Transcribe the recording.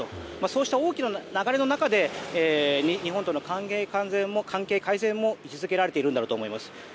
そうした大きな流れの中で日本との関係改善も位置づけられているんだろうと思います。